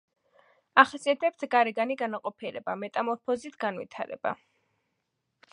ახასიათებთ გარეგანი განაყოფიერება, მეტამორფოზით განვითარება.